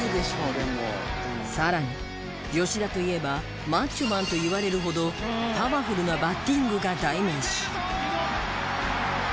さらに吉田といえばマッチョマンといわれるほどパワフルなバッティングが代名詞。